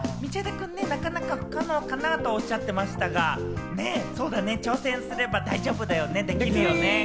君、なかなか不可能かなとおっしゃってましたけれども、そうだね、挑戦すれば大丈夫だよね、できるよね。